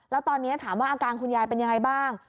แล้วตอนนี้ถามว่าอาการคุณยายเป็นยังไงบ้าง